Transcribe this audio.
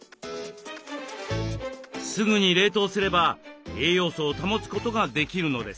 すぐに冷凍すれば栄養素を保つことができるのです。